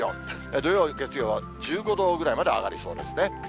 土曜、月曜、１５度ぐらいまで上がりそうですね。